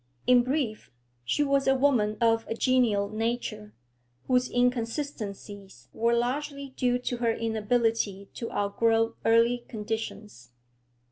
In brief, she was a woman of a genial nature, whose inconsistencies were largely due to her inability to outgrow early conditions.